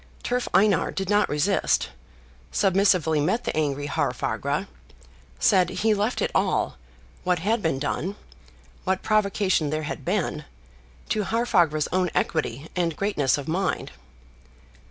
Turf Einar did not resist; submissively met the angry Haarfagr, said he left it all, what had been done, what provocation there had been, to Haarfagr's own equity and greatness of mind.